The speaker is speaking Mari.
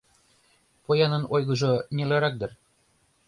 Поянын ойгыжо нелырак дыр.